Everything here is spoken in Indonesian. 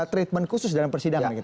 treatment khusus dalam persidangan